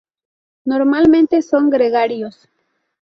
Normalmente son gregarios.